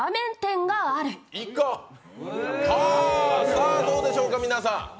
さあ、どうでしょうか、皆さん。